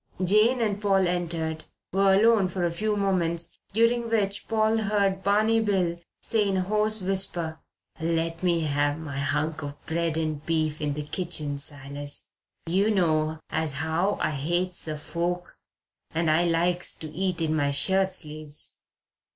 Jane and Paul entered; were alone for a few moments, during which Paul heard Barney Bill say in a hoarse whisper: "Let me have my hunk of bread and beef in the kitchen, Silas. You know as how I hates a fork and I likes to eat in my shirt sleeves."